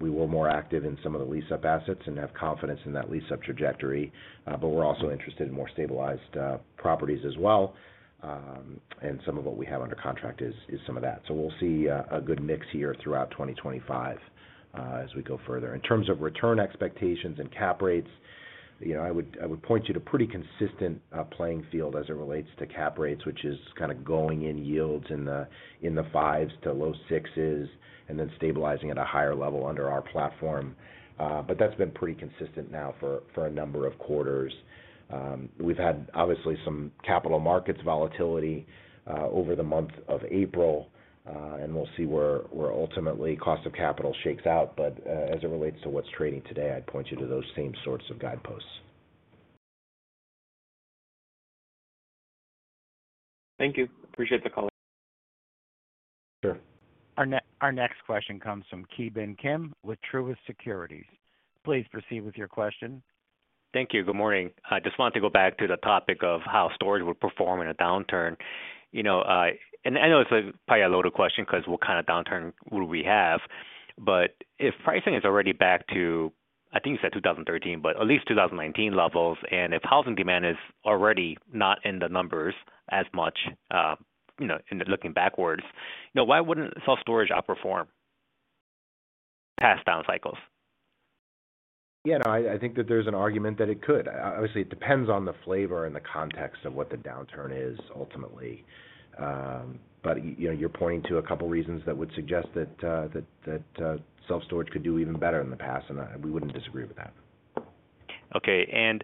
We were more active in some of the lease-up assets and have confidence in that lease-up trajectory. We are also interested in more stabilized properties as well. Some of what we have under contract is some of that. We will see a good mix here throughout 2025 as we go further. In terms of return expectations and cap rates, I would point you to a pretty consistent playing field as it relates to cap rates, which is kind of going-in yields in the fives to low sixes and then stabilizing at a higher level under our platform. That has been pretty consistent now for a number of quarters. We have had obviously some capital markets volatility over the month of April, and we will see where ultimately cost of capital shakes out. As it relates to what is trading today, I would point you to those same sorts of guideposts. Thank you. Appreciate the call. Sure. Our next question comes from Ki Bin Kim with Truist Securities. Please proceed with your question. Thank you. Good morning. I just wanted to go back to the topic of how storage will perform in a downturn. I know it's probably a loaded question because what kind of downturn will we have? If pricing is already back to, I think you said 2013, but at least 2019 levels, and if housing demand is already not in the numbers as much looking backwards, why wouldn't self-storage outperform past down cycles? Yeah. No, I think that there's an argument that it could. Obviously, it depends on the flavor and the context of what the downturn is ultimately. You are pointing to a couple of reasons that would suggest that self-storage could do even better in the past, and we would not disagree with that. Okay.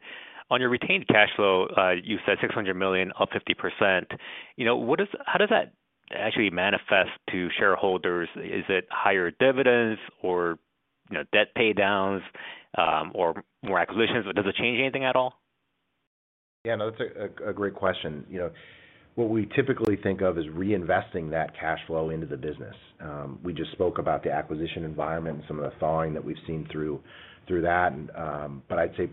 On your retained cash flow, you said $600 million, up 50%. How does that actually manifest to shareholders? Is it higher dividends or debt paydowns or more acquisitions? Does it change anything at all? Yeah. No, that's a great question. What we typically think of is reinvesting that cash flow into the business. We just spoke about the acquisition environment and some of the thawing that we've seen through that. I would say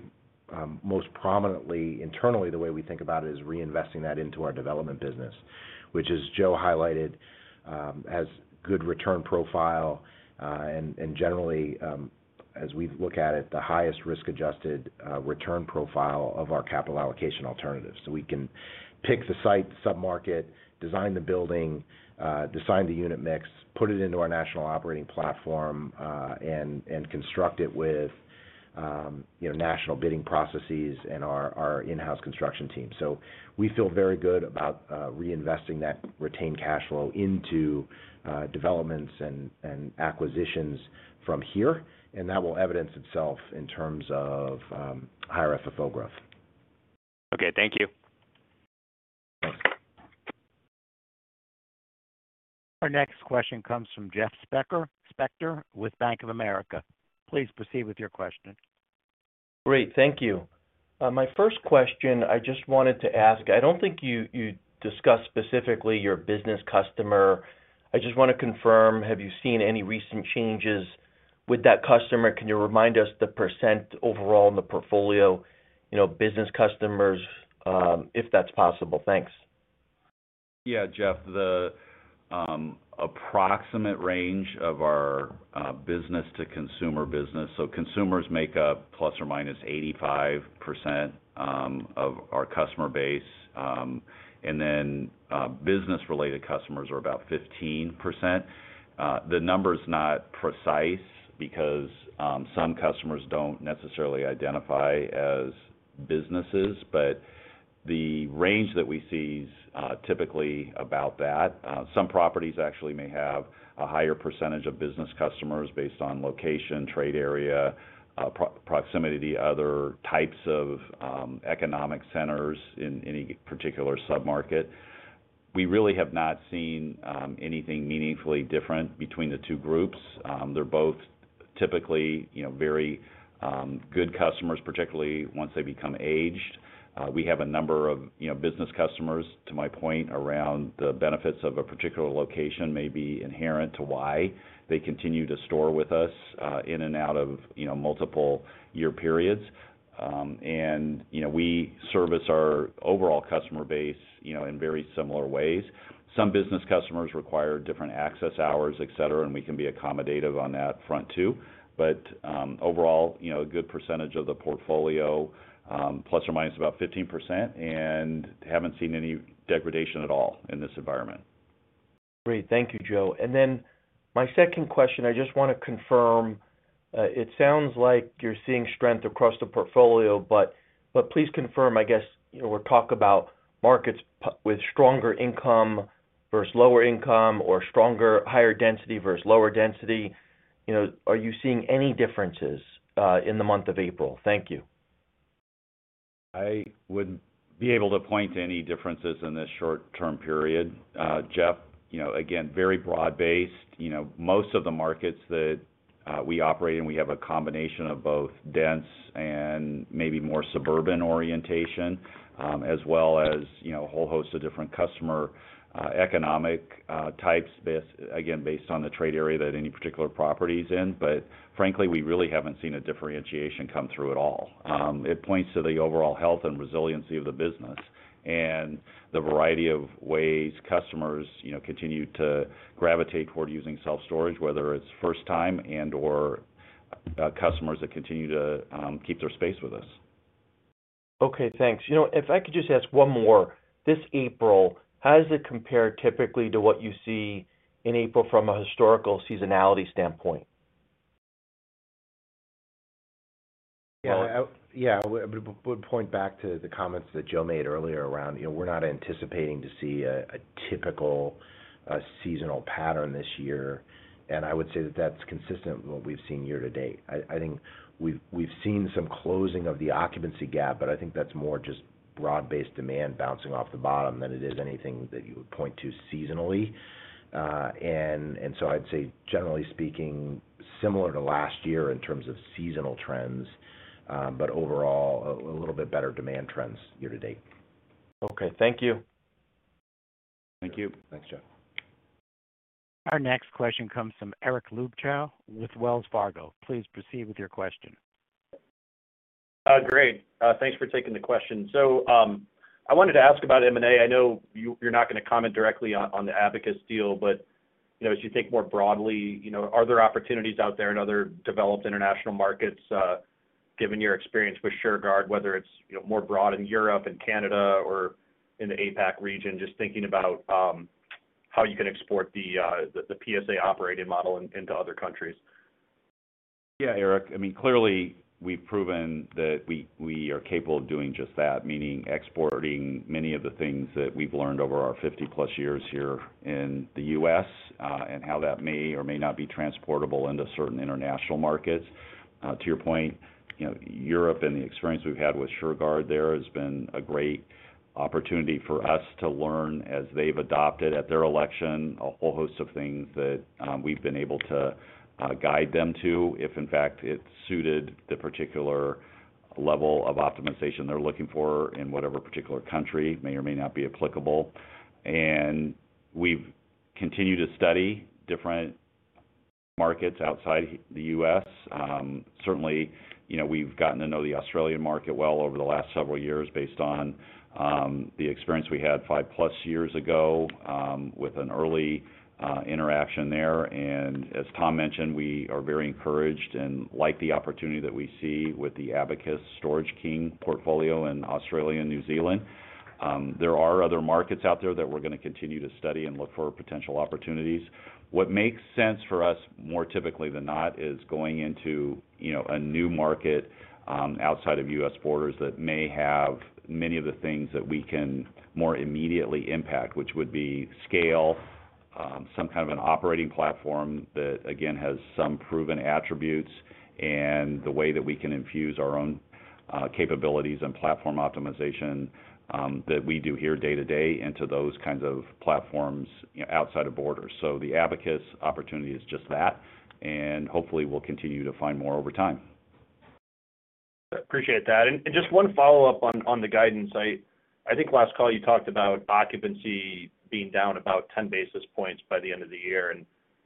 most prominently internally, the way we think about it is reinvesting that into our development business, which as Joe highlighted has a good return profile. Generally, as we look at it, the highest risk-adjusted return profile of our capital allocation alternative. We can pick the site, sub-market, design the building, design the unit mix, put it into our national operating platform, and construct it with national bidding processes and our in-house construction team. We feel very good about reinvesting that retained cash flow into developments and acquisitions from here. That will evidence itself in terms of higher FFO growth. Okay. Thank you. Thanks. Our next question comes from Jeff Spector with Bank of America. Please proceed with your question. Great. Thank you. My first question, I just wanted to ask, I do not think you discussed specifically your business customer. I just want to confirm, have you seen any recent changes with that customer? Can you remind us the percent overall in the portfolio business customers, if that is possible? Thanks. Yeah, Jeff. The approximate range of our business-to-consumer business. Consumers make up plus or minus 85% of our customer base. Then business-related customers are about 15%. The number is not precise because some customers do not necessarily identify as businesses. The range that we see is typically about that. Some properties actually may have a higher percentage of business customers based on location, trade area, proximity to other types of economic centers in any particular sub-market. We really have not seen anything meaningfully different between the two groups. They are both typically very good customers, particularly once they become aged. We have a number of business customers, to my point, around the benefits of a particular location may be inherent to why they continue to store with us in and out of multiple year periods. We service our overall customer base in very similar ways. Some business customers require different access hours, etc., and we can be accommodative on that front too. Overall, a good percentage of the portfolio, plus or minus about 15%, and have not seen any degradation at all in this environment. Great. Thank you, Joe. My second question, I just want to confirm, it sounds like you're seeing strength across the portfolio, but please confirm, I guess, we're talking about markets with stronger income versus lower income or higher density versus lower density. Are you seeing any differences in the month of April? Thank you. I would not be able to point to any differences in this short-term period. Jeff, again, very broad-based. Most of the markets that we operate in, we have a combination of both dense and maybe more suburban orientation, as well as a whole host of different customer economic types, again, based on the trade area that any particular property is in. Frankly, we really have not seen a differentiation come through at all. It points to the overall health and resiliency of the business and the variety of ways customers continue to gravitate toward using self-storage, whether it is first-time and/or customers that continue to keep their space with us. Okay. Thanks. If I could just ask one more, this April, how does it compare typically to what you see in April from a historical seasonality standpoint? Yeah. I would point back to the comments that Joe made earlier around we're not anticipating to see a typical seasonal pattern this year. I would say that that's consistent with what we've seen year to date. I think we've seen some closing of the occupancy gap, but I think that's more just broad-based demand bouncing off the bottom than it is anything that you would point to seasonally. I'd say, generally speaking, similar to last year in terms of seasonal trends, but overall, a little bit better demand trends year to date. Okay. Thank you. Thank you. Thanks, Jeff. Our next question comes from Eric Luebchow with Wells Fargo. Please proceed with your question. Great. Thanks for taking the question. I wanted to ask about M&A. I know you're not going to comment directly on the Abacus deal, but as you think more broadly, are there opportunities out there in other developed international markets, given your experience with Shurgard, whether it's more broad in Europe and Canada or in the APAC region, just thinking about how you can export the PSA operating model into other countries? Yeah, Eric. I mean, clearly, we've proven that we are capable of doing just that, meaning exporting many of the things that we've learned over our 50-plus years here in the U.S. and how that may or may not be transportable into certain international markets. To your point, Europe and the experience we've had with Shurgard there has been a great opportunity for us to learn as they've adopted at their election a whole host of things that we've been able to guide them to if, in fact, it suited the particular level of optimization they're looking for in whatever particular country may or may not be applicable. We've continued to study different markets outside the U.S. Certainly, we've gotten to know the Australian market well over the last several years based on the experience we had five-plus years ago with an early interaction there. As Tom mentioned, we are very encouraged and like the opportunity that we see with the Abacus Storage King portfolio in Australia and New Zealand. There are other markets out there that we are going to continue to study and look for potential opportunities. What makes sense for us more typically than not is going into a new market outside of U.S. borders that may have many of the things that we can more immediately impact, which would be scale, some kind of an operating platform that, again, has some proven attributes, and the way that we can infuse our own capabilities and platform optimization that we do here day-to-day into those kinds of platforms outside of borders. The Abacus opportunity is just that. Hopefully, we will continue to find more over time. Appreciate that. Just one follow-up on the guidance. I think last call you talked about occupancy being down about 10 basis points by the end of the year. I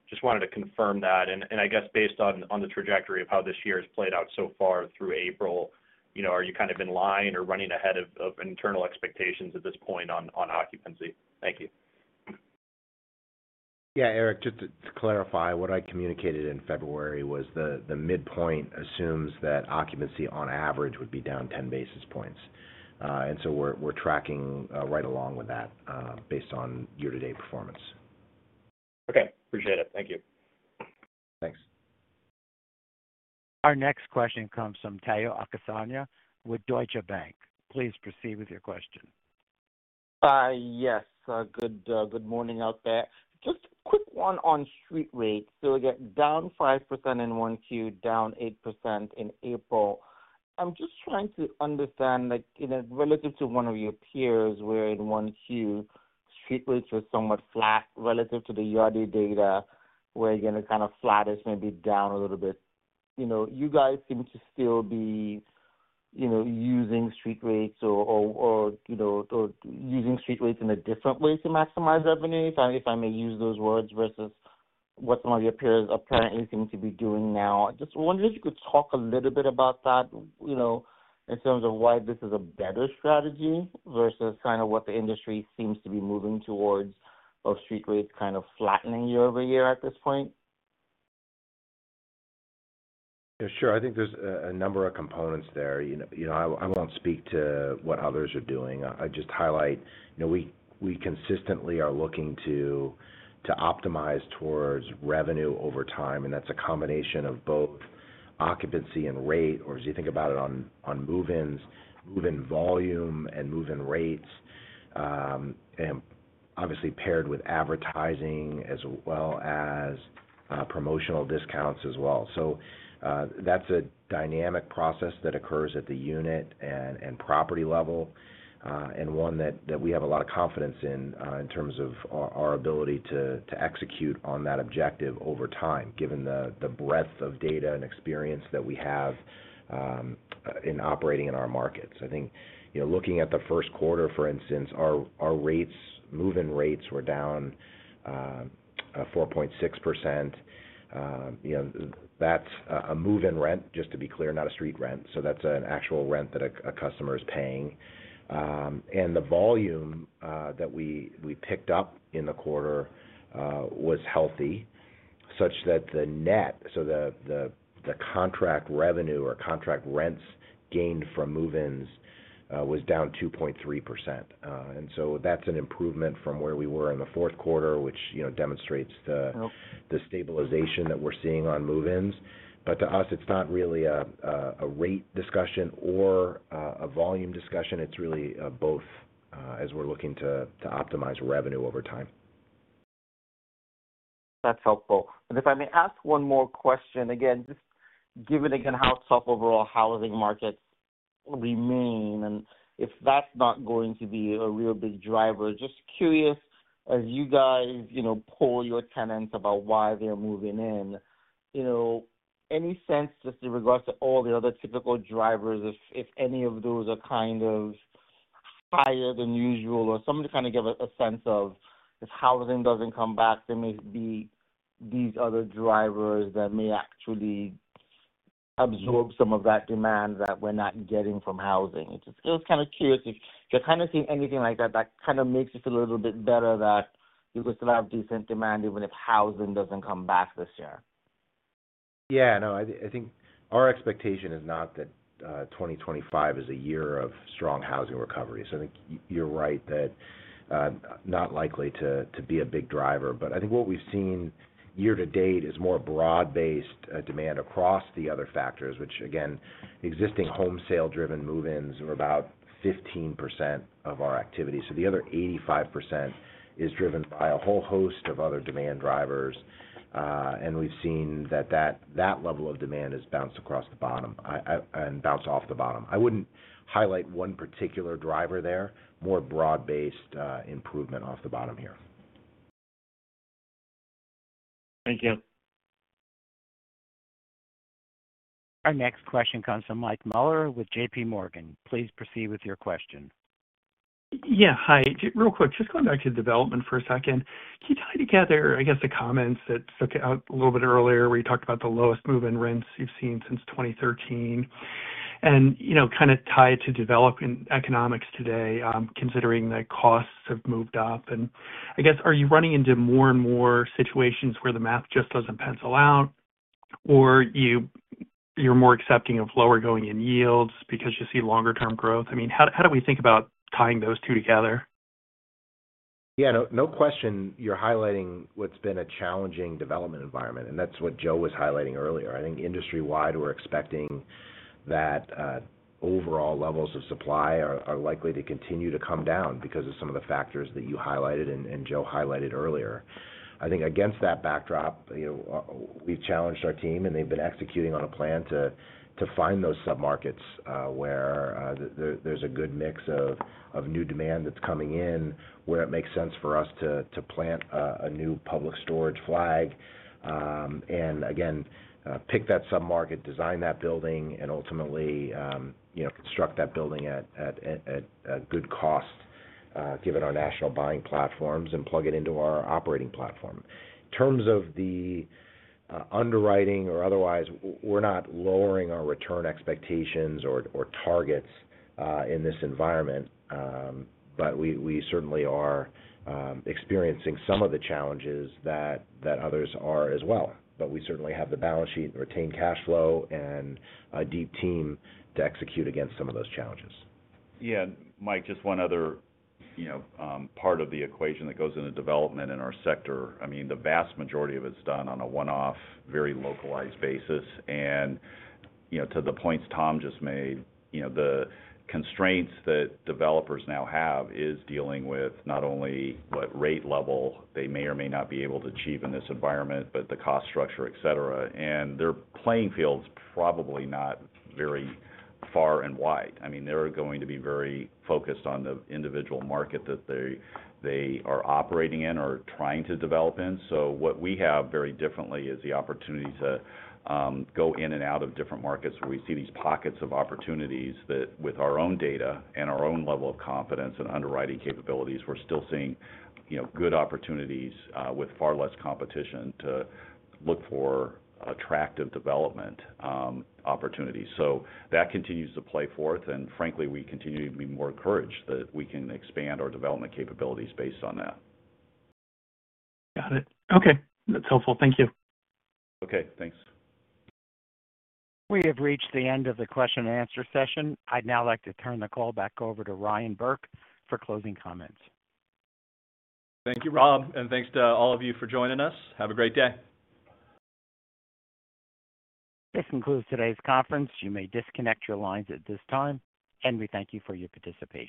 just wanted to confirm that. I guess based on the trajectory of how this year has played out so far through April, are you kind of in line or running ahead of internal expectations at this point on occupancy? Thank you. Yeah, Eric, just to clarify, what I communicated in February was the midpoint assumes that occupancy on average would be down 10 basis points. We are tracking right along with that based on year-to-date performance. Okay. Appreciate it. Thank you. Thanks. Our next question comes from Tayo Okusanya with Deutsche Bank. Please proceed with your question. Yes. Good morning out there. Just a quick one on street rates. We get down 5% in Q1, down 8% in April. I'm just trying to understand relative to one of your peers where in Q1 street rates were somewhat flat relative to the Yardi data where again it kind of flat is maybe down a little bit. You guys seem to still be using street rates or using street rates in a different way to maximize revenue, if I may use those words, versus what some of your peers apparently seem to be doing now. Just wondering if you could talk a little bit about that in terms of why this is a better strategy versus kind of what the industry seems to be moving towards of street rates kind of flattening year over year at this point. Sure. I think there's a number of components there. I won't speak to what others are doing. I just highlight we consistently are looking to optimize towards revenue over time. That's a combination of both occupancy and rate, or as you think about it on move-ins, move-in volume and move-in rates, obviously paired with advertising as well as promotional discounts as well. That's a dynamic process that occurs at the unit and property level and one that we have a lot of confidence in in terms of our ability to execute on that objective over time, given the breadth of data and experience that we have in operating in our markets. I think looking at the first quarter, for instance, our move-in rates were down 4.6%. That's a move-in rent, just to be clear, not a street rent. That is an actual rent that a customer is paying. The volume that we picked up in the quarter was healthy such that the net, so the contract revenue or contract rents gained from move-ins was down 2.3%. That is an improvement from where we were in the fourth quarter, which demonstrates the stabilization that we are seeing on move-ins. To us, it is not really a rate discussion or a volume discussion. It is really both as we are looking to optimize revenue over time. That's helpful. If I may ask one more question, just given again how tough overall housing markets remain, and if that's not going to be a real big driver, just curious as you guys poll your tenants about why they're moving in, any sense just in regards to all the other typical drivers, if any of those are kind of higher than usual or someone to kind of give a sense of if housing doesn't come back, there may be these other drivers that may actually absorb some of that demand that we're not getting from housing. I was kind of curious if you're kind of seeing anything like that that kind of makes you feel a little bit better that you can still have decent demand even if housing doesn't come back this year. Yeah. No, I think our expectation is not that 2025 is a year of strong housing recovery. I think you're right that not likely to be a big driver. I think what we've seen year to date is more broad-based demand across the other factors, which again, existing home sale-driven move-ins are about 15% of our activity. The other 85% is driven by a whole host of other demand drivers. We've seen that that level of demand has bounced across the bottom and bounced off the bottom. I wouldn't highlight one particular driver there. More broad-based improvement off the bottom here. Thank you. Our next question comes from Mike Mueller with JP Morgan. Please proceed with your question. Yeah. Hi. Real quick, just going back to development for a second, can you tie together, I guess, the comments that stuck out a little bit earlier where you talked about the lowest move-in rents you've seen since 2013? And kind of tie to developing economics today, considering that costs have moved up. I guess, are you running into more and more situations where the math just does not pencil out, or you're more accepting of lower going in yields because you see longer-term growth? I mean, how do we think about tying those two together? Yeah. No question, you're highlighting what's been a challenging development environment. That is what Joe was highlighting earlier. I think industry-wide, we're expecting that overall levels of supply are likely to continue to come down because of some of the factors that you highlighted and Joe highlighted earlier. I think against that backdrop, we've challenged our team, and they've been executing on a plan to find those submarkets where there's a good mix of new demand that's coming in, where it makes sense for us to plant a new Public Storage flag. Again, pick that submarket, design that building, and ultimately construct that building at a good cost, given our national buying platforms, and plug it into our operating platform. In terms of the underwriting or otherwise, we're not lowering our return expectations or targets in this environment, but we certainly are experiencing some of the challenges that others are as well. We certainly have the balance sheet, retained cash flow, and a deep team to execute against some of those challenges. Yeah. Mike, just one other part of the equation that goes into development in our sector. I mean, the vast majority of it's done on a one-off, very localized basis. To the points Tom just made, the constraints that developers now have is dealing with not only what rate level they may or may not be able to achieve in this environment, but the cost structure, etc. Their playing field's probably not very far and wide. I mean, they're going to be very focused on the individual market that they are operating in or trying to develop in. What we have very differently is the opportunity to go in and out of different markets where we see these pockets of opportunities that with our own data and our own level of confidence and underwriting capabilities, we're still seeing good opportunities with far less competition to look for attractive development opportunities. That continues to play forth. Frankly, we continue to be more encouraged that we can expand our development capabilities based on that. Got it. Okay. That's helpful. Thank you. Okay. Thanks. We have reached the end of the question-and-answer session. I'd now like to turn the call back over to Ryan Burke for closing comments. Thank you, Rob. And thanks to all of you for joining us. Have a great day. This concludes today's conference. You may disconnect your lines at this time. We thank you for your participation.